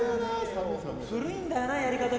古いんだよなやり方が。